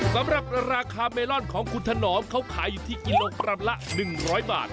สำหรับราคาเมลอนของคุณถนอมเขาขายอยู่ที่กิโลกรัมละ๑๐๐บาท